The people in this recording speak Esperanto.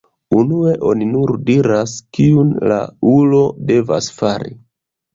Unue oni nur diras, kiun la ulo devas fari.